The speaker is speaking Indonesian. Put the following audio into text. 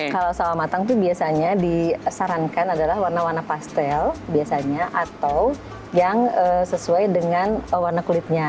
kalau sawal matang itu biasanya disarankan adalah warna warna pastel biasanya atau yang sesuai dengan warna kulitnya